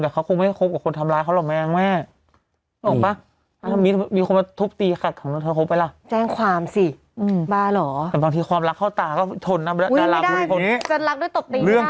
แต่เขาคงไม่คบกับคนทำร้ายเขาหรอกแม่งแม่